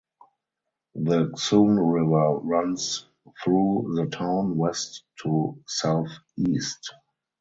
The Xun River runs through the town west to southeast.